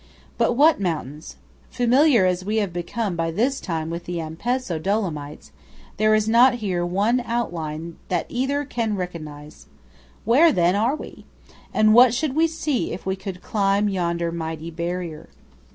But what mountains? Familiar as we have become by this time with the Ampezzo Dolomites, there is not here one outline that either can recongnise. Where, then, are we? And what should we see if we could climb yonder mighty barrier?